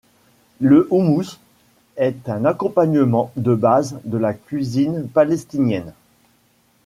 Le houmous est un accompagnement de base de la cuisine palestinienne.